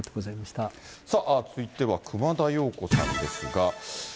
さあ、続いては熊田曜子さんですが。